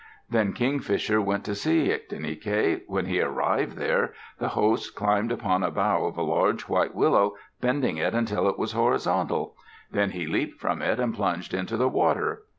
'" Then Kingfisher went to see Ictinike. When he arrived there, the host climbed upon a bough of a large white willow, bending it until it was horizontal. Then he leaped from it and plunged into the water.